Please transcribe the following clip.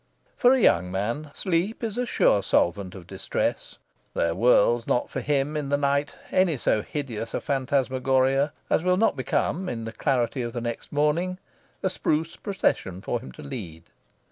For a young man, sleep is a sure solvent of distress. There whirls not for him in the night any so hideous a phantasmagoria as will not become, in the clarity of next morning, a spruce procession for him to lead.